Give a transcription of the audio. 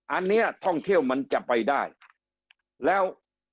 อันนี้ท่องเที่ยวมันจะไปได้แล้ว